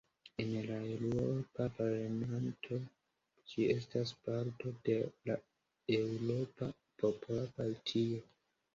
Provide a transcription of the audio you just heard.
En la Eŭropa Parlamento ĝi estas parto de la Eŭropa Popola Partio.